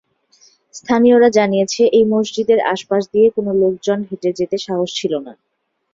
স্থানীয়রা জানিয়েছে এই মসজিদের আশপাশ দিয়ে কোন লোকজন হেটে যেতে সাহস ছিলনা।